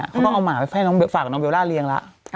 เขาก็เอาหมาไปฝากน้องเบลล่าเลี้ยงละ